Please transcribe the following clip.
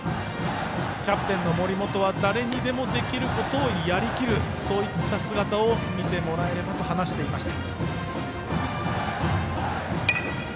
キャプテンの森本は誰にでもできることをやりきるといった姿を見てもらえればと話していました。